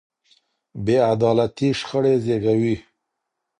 بې عدالتي شخړې زېږوي.